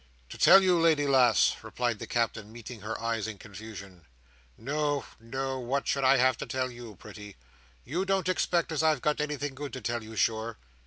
"To tell you, lady lass!" replied the Captain, meeting her eyes in confusion. "No, no; what should I have to tell you, pretty! You don't expect as I've got anything good to tell you, sure?"